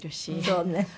そうね。